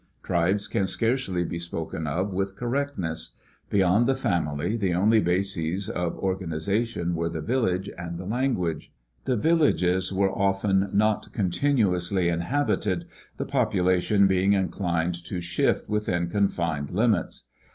Tribes can scarcely be spoken of with correctness. Beyond the family the only bases of organization were the village and the language. The villages 84 University of California Publications. [AM. ARCH. ETH. were often not continuously inhabited, the population being inclined to shift within confined limits.